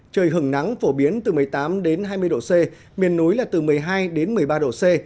trời hừng nắng phổ biến từ một mươi tám hai mươi độ c miền núi là từ một mươi hai một mươi ba độ c